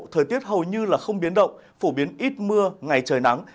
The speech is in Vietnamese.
thời tiết hầu như không biến động phổ biến ít mưa ngày trời nắng